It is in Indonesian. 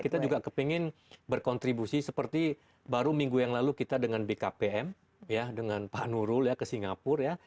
kita juga kepingin berkontribusi seperti baru minggu yang lalu kita dengan bkpm ya dengan pak nurul ya ke singapura ya